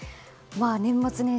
年末年始